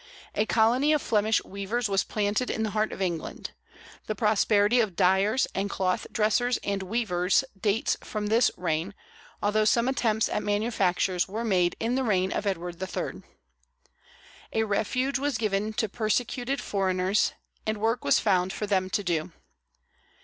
A colony of Flemish weavers was planted in the heart of England. The prosperity of dyers and cloth dressers and weavers dates from this reign, although some attempts at manufactures were made in the reign of Edward III. A refuge was given to persecuted foreigners, and work was found for them to do.